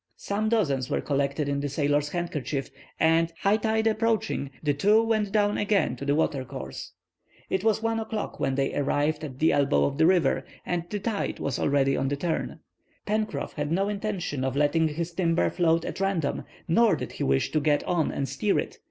Some dozens were collected in the sailor's handkerchief, and, high tide approaching, the two went down again to the water course. It was 1 o'clock when they arrived at the elbow of the river, and the tide was already on the turn. Pencroff had no intention of letting his timber float at random, nor did he wish to get on and steer it.